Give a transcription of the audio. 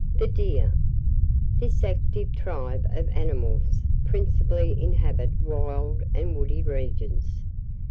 THE DEER. This active tribe of animals principally inhabit wild and woody regions.